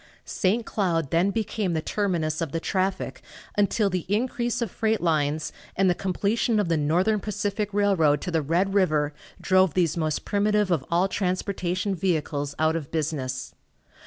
St. Cloud then became the terminus of the traffic, until the increase of freight lines and the completion of the Northern Pacific Railroad to the Red river drove these most primitive of all transportation vehicles out of business.